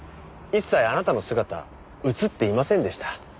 一切あなたの姿映っていませんでした。